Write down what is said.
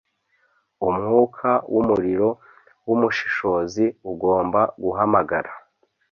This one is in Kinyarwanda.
umwuka wumuriro wumushishozi ugomba guhamagara